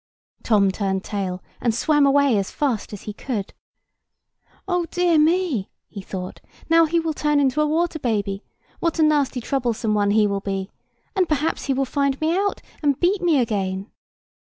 Tom turned tail, and swam away as fast as he could. "Oh dear me!" he thought, "now he will turn into a water baby. What a nasty troublesome one he will be! And perhaps he will find me out, and beat me again."